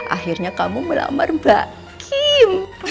akhirnya kamu melamar mbak kim